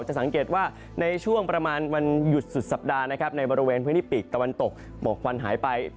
สังเกตว่าในช่วงประมาณวันหยุดสุดสัปดาห์นะครับในบริเวณพื้นที่ปีกตะวันตกหมอกควันหายไป